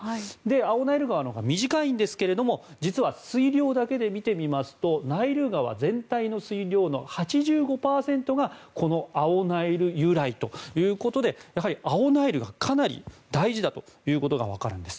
青ナイル川のほうが短いんですけど実は水量だけで見てみますとナイル川全体の水量の８５％が青ナイル由来ということでやはり青ナイル川がかなり大事だということが分かるんです。